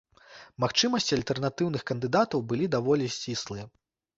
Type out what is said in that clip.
Магчымасці альтэрнатыўных кандыдатаў былі даволі сціслыя.